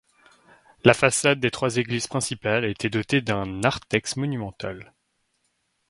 La façade des trois églises principales a été dotée d'un narthex monumental.